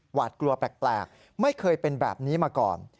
หวาดกลัวแปลกไม่เคยเป็นแบบนี้มาก่อน